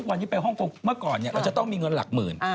เมื่อก่อนเราจะต้องมีเงินหลักหมื่น